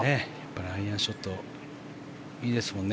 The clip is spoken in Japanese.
アイアンショットいいですからね。